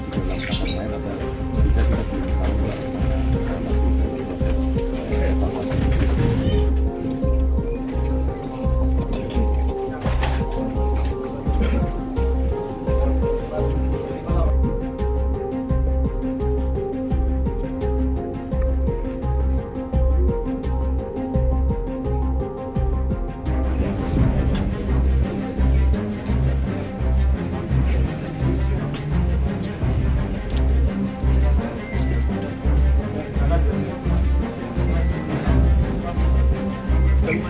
jumlah kota kapolusia